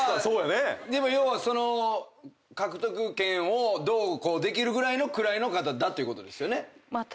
でも要はその獲得権をどうこうできるぐらいの位の方だっていうことですよね。